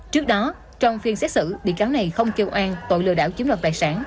trước đó trong phiên xét xử bị cáo này không kêu an tội lừa đảo chiếm đoạt tài sản